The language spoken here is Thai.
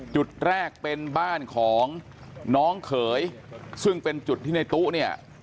จุดแรกเป็นบ้านของน้องเขยซึ่งเป็นจุดที่ในตู้เนี่ย